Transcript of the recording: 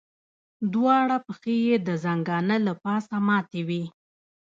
دواړه پښې یې د ځنګانه له پاسه ماتې وې.